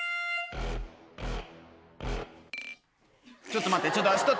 ちょっと待って。